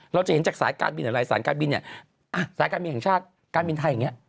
เราจะเห็นจากสายการบินหลายสายการบินเนี่ยสายการบินแห่งชาติการบินไทยอย่างนี้